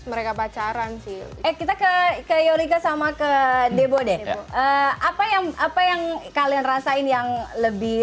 mereka pacaran sih eh kita ke yorike sama ke debo deh apa yang apa yang kalian rasain yang lebih